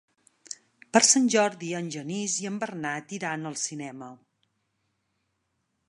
Per Sant Jordi en Genís i en Bernat iran al cinema.